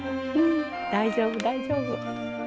大丈夫大丈夫。